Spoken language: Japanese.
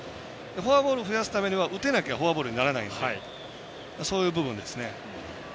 フォアボール増やすためには打てなきゃフォアボールにならないのでそういう部分ですね。